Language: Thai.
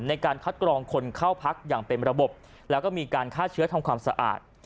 ในการคัดกรองคนเข้าพักอย่างเป็นระบบแล้วก็มีการฆ่าเชื้อทำความสะอาด